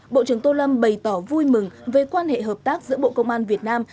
bộ trưởng tô lâm bày tỏ vui mừng về quan hệ hợp tác giữa bộ công an việt nam